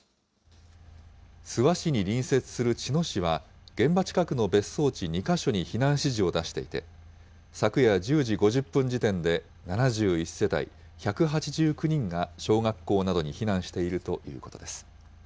諏訪市に隣接する茅野市は、現場近くの別荘地２か所に避難指示を出していて、昨夜１０時５０分時点で、７１世帯１８９人が小学校などに避難しているということです。